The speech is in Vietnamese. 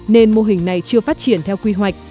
nên mô hình này chưa phát triển theo quy hoạch